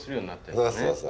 そうそうそう。